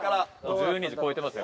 １２時超えてますよ